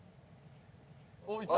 おっいった。